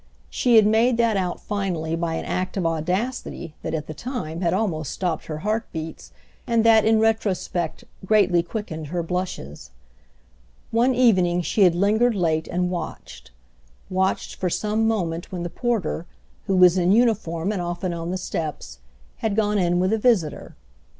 She had made that out finally by an act of audacity that at the time had almost stopped her heart beats and that in retrospect greatly quickened her blushes. One evening she had lingered late and watched—watched for some moment when the porter, who was in uniform and often on the steps, had gone in with a visitor.